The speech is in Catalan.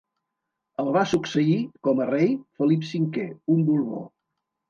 El va succeir como a rei Felip V, un Borbó.